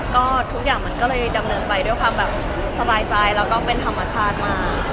ก็ทุกอย่างมันก็เลยดำเนินไปด้วยความแบบสบายใจแล้วก็เป็นธรรมชาติมาก